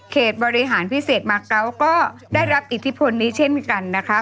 บริหารพิเศษมาเกาะก็ได้รับอิทธิพลนี้เช่นกันนะคะ